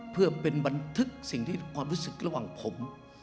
เพื่อเป็นบันทึกสิ่งที่ความรู้สึกระหว่างผม